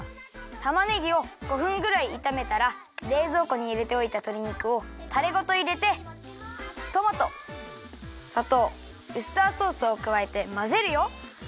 たまねぎを５ふんぐらいいためたられいぞうこにいれておいたとり肉をタレごといれてトマトさとうウスターソースをくわえてまぜるよ。